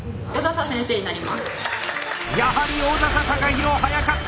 やはり小佐々貴博はやかった！